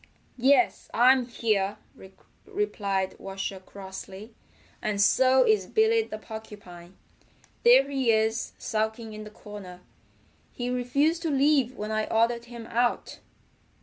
"Yes, I'm here," replied Washer crossly. "And so is Billy the Porcupine. There he is sulking in the corner. He refused to leave when I ordered him out."